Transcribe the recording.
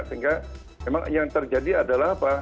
sehingga memang yang terjadi adalah apa